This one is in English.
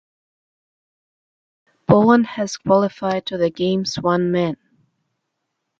Poland has qualified to the games one man.